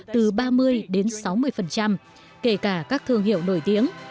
từ ba mươi đến sáu mươi kể cả các thương hiệu nổi tiếng